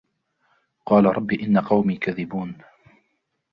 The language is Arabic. قال رب إن قومي كذبون